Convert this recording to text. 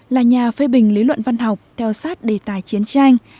là nhà phê bình lý luận văn học theo sát đề tài chiến tranh